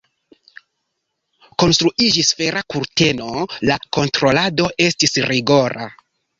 Konstruiĝis Fera kurteno, la kontrolado estis rigora.